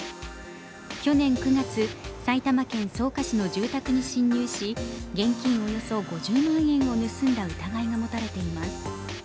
去年９月、埼玉県草加市の住宅に侵入し、現金およそ５０万円を盗んだ疑いが持たれています。